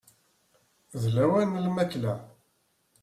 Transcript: D lawan n lmakla.